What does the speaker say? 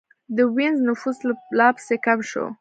د وینز نفوس لا پسې کم شو.